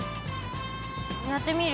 やってみる？